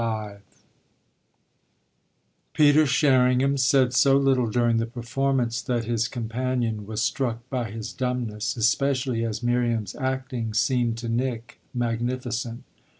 XLV Peter Sherringham said so little during the performance that his companion was struck by his dumbness, especially as Miriam's acting seemed to Nick magnificent.